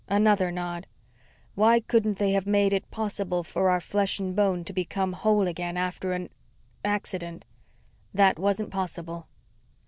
Another nod. "Why couldn't they have made it possible for our flesh and bone to become whole again after an accident?" "That wasn't possible."